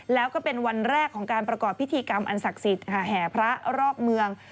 แล้วก็เป็นวันแรกของการประกอบพิธีกรรมอันศักดิ์สิทธิ์แห่พระรอบเมือง